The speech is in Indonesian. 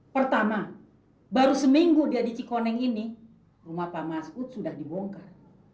pertama baru seminggu dia di cikoneng ini rumah pak mas ud sudah dibongkar